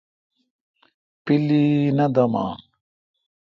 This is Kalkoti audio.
پیلی نہ دمان۔